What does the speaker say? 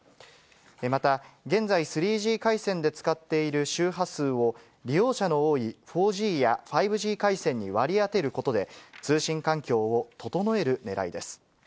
また現在、３Ｇ回線で使っている周波数を、利用者の多い４Ｇや５Ｇ回線に割り当てることで、通信環境を整えるねらいです。